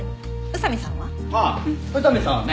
ああ宇佐見さんはね